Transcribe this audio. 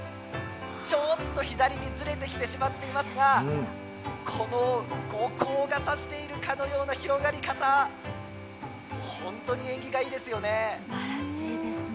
ちょっと左にずれてきてしまっていますがこの後光が差しているかのような広がり方、本当に縁起がいいですよね。